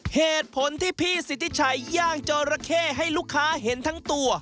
เหตุผลที่พี่สิทธิชัยย่างจอระเข้ให้ลูกค้าเห็นทั้งตัว